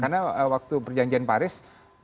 karena waktu perjanjian paris